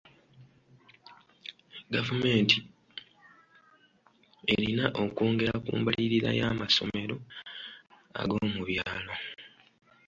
Gavumenti erina okwongera ku mbalirira y'amasomero ag'omubyalo.